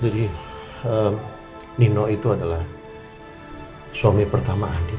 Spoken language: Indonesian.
jadi nino itu adalah suami pertama andin